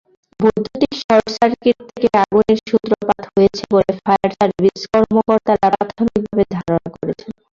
বৈদ্যুতিক শর্টসার্কিট থেকে আগুনের সূত্রপাত হয়েছে বলে ফায়ার সার্ভিস কর্মকর্তারা প্রাথমিকভাবে ধারণা করছেন।